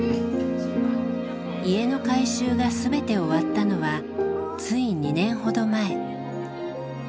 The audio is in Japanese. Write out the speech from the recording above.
家の改修が全て終わったのはつい２年ほど前。